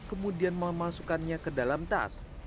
kemudian memasukkannya ke dalam tas